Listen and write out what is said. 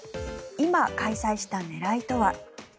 今、開催した狙いとは。